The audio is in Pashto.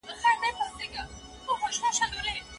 محبت باید له منځه ولاړ نه سي.